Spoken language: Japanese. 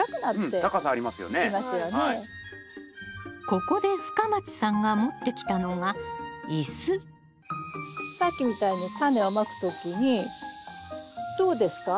ここで深町さんが持ってきたのがイスさっきみたいにタネをまく時にどうですか？